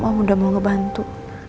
om udah mau ngebantu